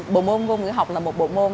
bộ môn ngôn ngữ học là một bộ môn